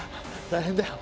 大変だよ